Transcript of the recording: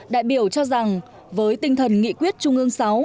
đại biểu cho rằng với tinh thần nghị quyết trung ương sáu